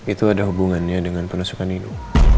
itu ada hubungannya dengan penusukan hidung